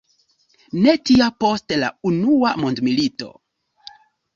Ne tia post la unua mondmilito.